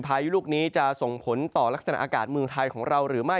พายุลูกนี้จะส่งผลต่อลักษณะอากาศเมืองไทยของเราหรือไม่